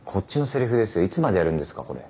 いつまでやるんですかこれ。